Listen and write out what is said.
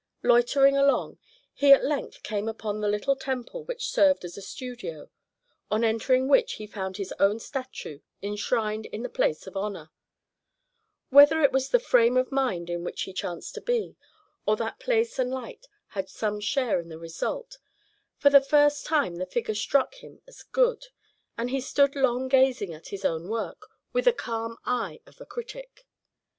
Loitering along, he at length came upon the little temple which served as a studio, on entering which, he found his own statue enshrined in the place of honor. Whether it was the frame of mind in which he chanced to be, or that place and light had some share in the result, for the first time the figure struck him as good, and he stood long gazing at his own work with the calm eye of a critic.